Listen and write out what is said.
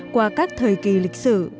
qua các thời kỳ lịch sử